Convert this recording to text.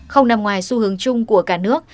không nằm ngoài xu hướng chung của cả nước